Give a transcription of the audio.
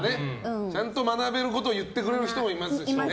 ちゃんと学べることを言ってくれる人もいますしね。